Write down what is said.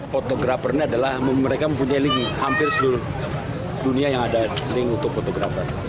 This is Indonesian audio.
fotografer ini adalah mereka mempunyai link hampir seluruh dunia yang ada link untuk fotografer